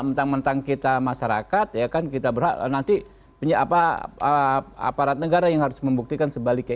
mentang mentang kita masyarakat ya kan kita berhak nanti punya apa aparat negara yang harus membuktikan sebaliknya